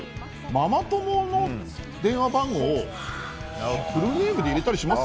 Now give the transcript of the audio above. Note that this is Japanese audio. ママ友の電話番号をフルネームで入れたりします？